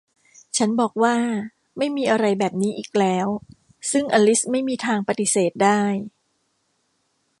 ฉันบอกว่า ไม่มีอะไรแบบนี้อีกแล้ว ซึ่งอลิซไม่มีทางปฏิเสธได้